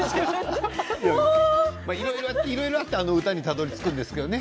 いろいろあってあの歌にたどりつくんですよね。